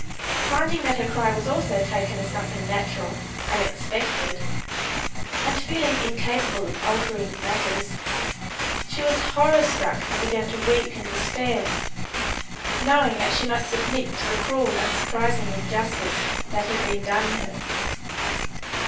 Finding that her cry was also taken as something natural and expected, and feeling incapable of altering matters, she was horror struck and began to weep in despair, knowing that she must submit to the cruel and surprising injustice that had been done her.